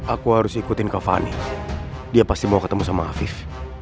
aku harus ikutin kavani dia pasti mau ketemu sama afif